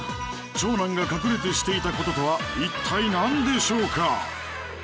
長男が隠れてしていた事とは一体なんでしょうか？